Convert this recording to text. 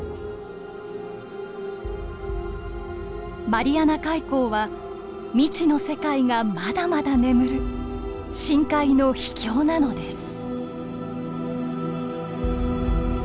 マリアナ海溝は未知の世界がまだまだ眠る深海の秘境なのです。